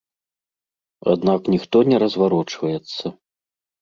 Аднак ніхто не разварочваецца.